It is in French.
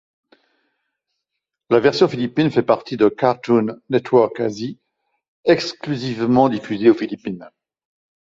La version philippine fait partie de Cartoon Network Asie, exclusivement diffusée aux Philippines.